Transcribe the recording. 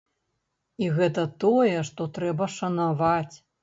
І гэта тое, што трэба шанаваць.